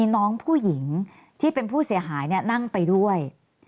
น้องผู้หญิงที่เป็นผู้เสียหายนั่งไปด้วย